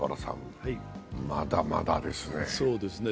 まだまだですね。